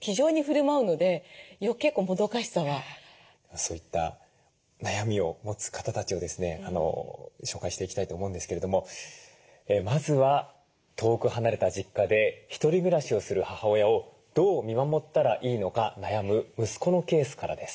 そういった悩みを持つ方たちをですね紹介していきたいと思うんですけれどもまずは遠く離れた実家で一人暮らしをする母親をどう見守ったらいいのか悩む息子のケースからです。